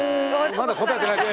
まだ答えてないです。